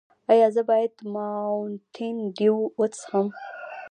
ایا زه باید ماونټین ډیو وڅښم؟